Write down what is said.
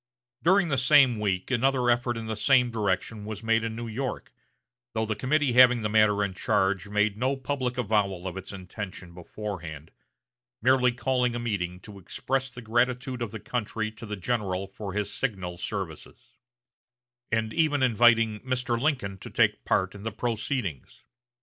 During the same week another effort in the same direction was made in New York, though the committee having the matter in charge made no public avowal of its intention beforehand, merely calling a meeting to express the gratitude of the country to the general for his signal services; and even inviting Mr. Lincoln to take part in the proceedings.